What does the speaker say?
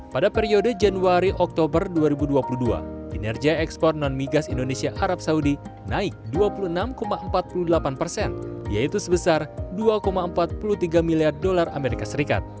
pada periode januari oktober dua ribu dua puluh dua kinerja ekspor non migas indonesia arab saudi naik dua puluh enam empat puluh delapan persen yaitu sebesar dua empat puluh tiga miliar dolar as